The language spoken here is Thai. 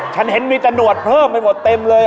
ฉันเห็นมีตะหนวดเพิ่มไปหมดเต็มเลย